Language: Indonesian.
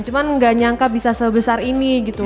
cuman gak nyangka bisa sebesar ini gitu